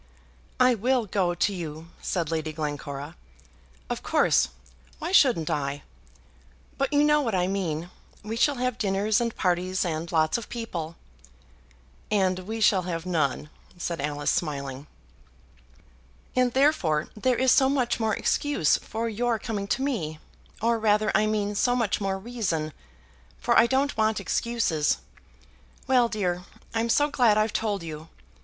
"I will go to you," said Lady Glencora, "of course, why shouldn't I? But you know what I mean. We shall have dinners and parties and lots of people." "And we shall have none," said Alice, smiling. "And therefore there is so much more excuse for your coming to me; or rather I mean so much more reason, for I don't want excuses. Well, dear, I'm so glad I've told you.